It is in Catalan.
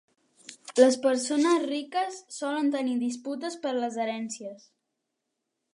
Les persones riques solen tenir disputes per les herències.